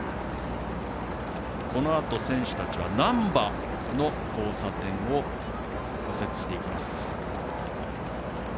このあと、選手たちは難波の交差点を左折していきます。